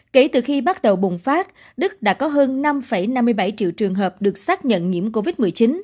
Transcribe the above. kể từ khi bắt đầu bùng phát đức đã có hơn năm năm mươi bảy triệu trường hợp được xác nhận nhiễm covid một mươi chín